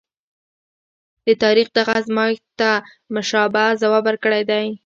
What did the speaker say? د تاریخ دغه ازمایښت ته مشابه ځواب ورکړی دی.